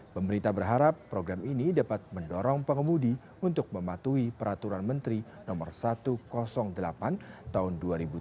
pemerintah berharap program ini dapat mendorong pengemudi untuk mematuhi peraturan menteri no satu ratus delapan tahun dua ribu tujuh belas